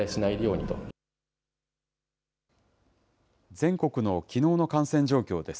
全国のきのうの感染状況です。